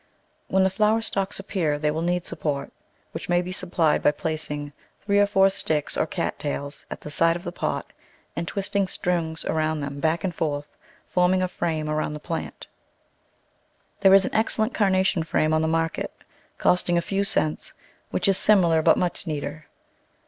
When the flower stalks appear they will need support, which may be supplied by placing three or four sticks or cat tails at the side of the pot and twisting strings around them, back and forth, forming a frame around the plant. There is an ex cellent Carnation frame on the market, costing a few cents, which is similar but much neater.